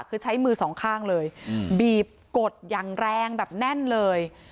คือใช้มือสองข้างเลยบีบกดอย่างแรงแบบแน่นเลย